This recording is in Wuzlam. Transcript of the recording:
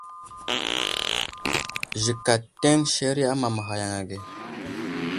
Zik ateŋ seriya amamaghay yaŋ age.